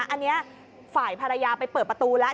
อันนี้ฝ่ายภรรยาไปเปิดประตูแล้ว